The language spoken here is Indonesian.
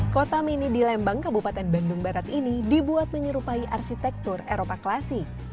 kota mini di lembang kabupaten bandung barat ini dibuat menyerupai arsitektur eropa klasi